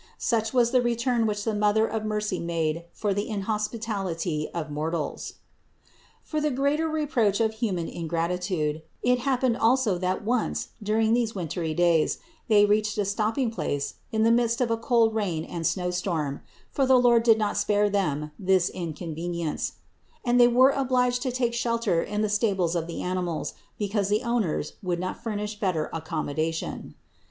Such was the return which the Mother of mercy made for the inhos pitality of mortals. 461. For the greater reproach of human ingratitude, it happened also that once during these wintry days they reached a stopping place in the midst of a cold rain and snow storm (for the Lord did not spare them this in convenience), and they were obliged to take shelter in the stables of the animals, because the owners would not furnish better accommodation.